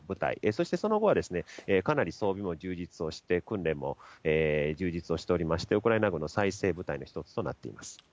そしてその後は、かなり装備も充実をして訓練も充実をしておりまして、ウクライナ軍の最精鋭部隊の一つとなっています。